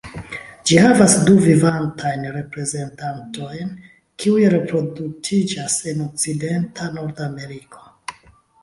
Ĝi havas du vivantajn reprezentantojn kiuj reproduktiĝas en okcidenta Nordameriko.